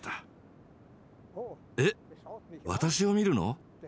「えっ私を見るの？」